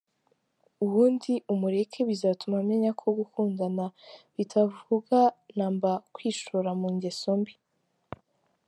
Ubundi umureke bizatuma amenya ko gukundana bitavuga na mba kwishora mu ngeso mbi.